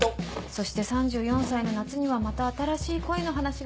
そして３４歳の夏にはまた新しい恋の話が生まれてる。